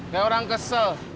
kayak orang kesel